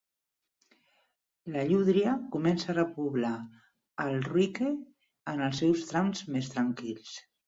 La llúdria comença a repoblar el Wreake en els seus trams més tranquils.